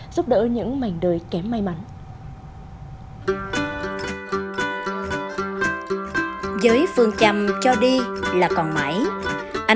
giúp đỡ những mảnh đời kém may mắn